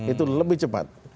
itu lebih cepat